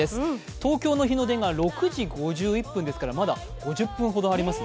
東京の日の出が６時５１分ですからまだ５０分ほどありますね。